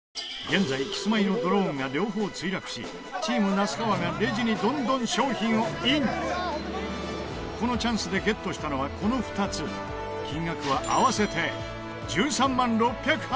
現在、キスマイのドローンが両方、墜落しチーム那須川が、レジにどんどん商品をインこのチャンスでゲットしたのはこの２つ金額は、合わせて１３万６８０円